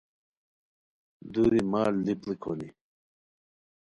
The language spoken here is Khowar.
دُوری مال دی پڑیک ہونی